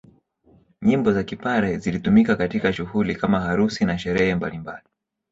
Nyimbo za kipare zilitumika katika shughuli kama harusi na sherehe mbalimbali